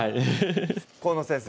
河野先生